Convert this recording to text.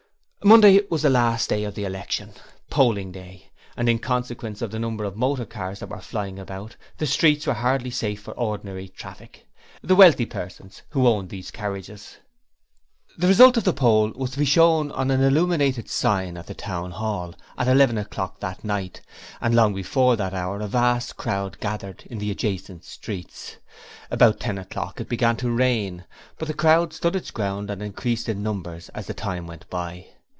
Monday was the last day of the election polling day and in consequence of the number of motor cars that were flying about, the streets were hardly safe for ordinary traffic. The wealthy persons who owned these carriages... The result of the poll was to be shown on an illuminated sign at the Town Hall, at eleven o'clock that night, and long before that hour a vast crowd gathered in the adjacent streets. About ten o'clock it began to rain, but the crowd stood its ground and increased in numbers as the time went by.